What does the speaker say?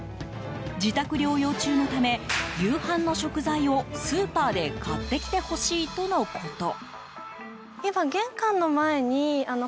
自宅療養中のため夕飯の食材をスーパーで買ってきてほしいとのこと。